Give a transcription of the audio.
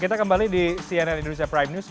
kita kembali di cnn indonesia prime news